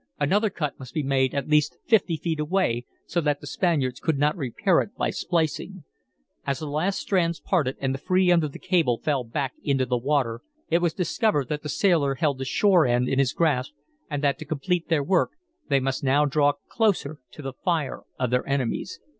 Another cut must be made at least fifty feet away, so that the Spaniards could not repair it by splicing. As the last strands parted and the free end of the cable fell back into the water, it was discovered that the sailor held the shore end in his grasp, and that to complete their work they must now draw closer to the fire of their enemies.